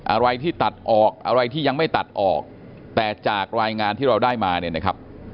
อะไรที่ตัดออกอะไรที่ยังไม่ตัดออกแต่จากรายงานที่เราได้มาเนี่ยนะครับ